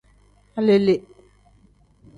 Alele.